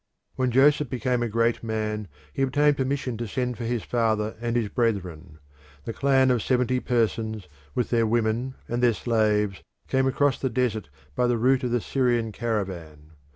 When Joseph became a great man he obtained permission to send for his father and his brethren. The clan of seventy persons, with their women and their slaves, came across the desert by the route of the Syrian caravan.